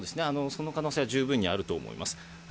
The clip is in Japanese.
その可能性は十分にあると思います。